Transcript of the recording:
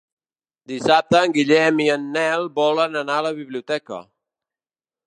Dissabte en Guillem i en Nel volen anar a la biblioteca.